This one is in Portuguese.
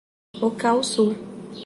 Ocauçu